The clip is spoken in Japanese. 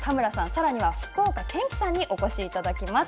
さらには福岡堅樹さんにお越しいただきます。